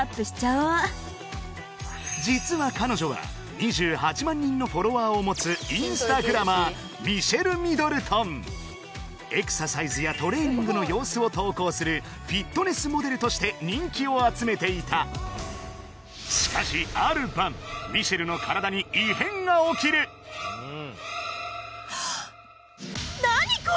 実は彼女は２８万人のフォロワーを持つインスタグラマーエクササイズやトレーニングの様子を投稿するフィットネスモデルとして人気を集めていたしかしある晩ミシェルの体に異変が起きるはっ！